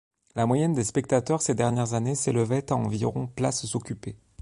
La moyenne des spectateurs ces dernières années s'élevait à environ places occupées.